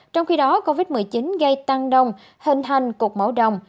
trong khi đó covid một mươi chín gây tăng đông hình thành cục máu đông